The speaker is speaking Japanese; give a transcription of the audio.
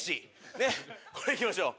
ねっこれ行きましょう。